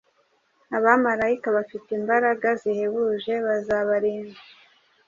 Abamalayika bafite imbaraga zihebuje bazabarinda,